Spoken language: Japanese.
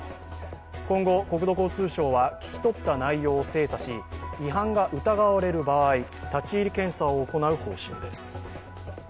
今後、国土交通省は聞き取った内容を精査し違反が疑われる場合、立ち入り検査を行う方針です。